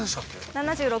７６！？